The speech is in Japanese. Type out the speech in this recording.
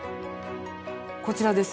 こちらです。